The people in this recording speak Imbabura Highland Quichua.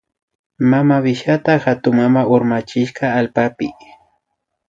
Mamawishita hatunmama urmachishka allpapi